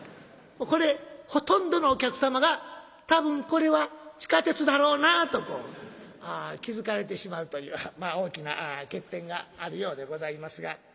これほとんどのお客様が多分これは地下鉄だろうなと気付かれてしまうという大きな欠点があるようでございますが。